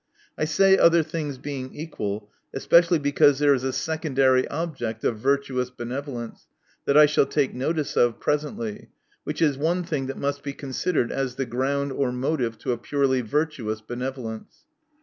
I say, other things being equal, especially because there is a secondary object of virtuous benevolence, that I shall take notice of presently. Which is one thing that must be considered as the ground or motive to a purely virtuous benevolence.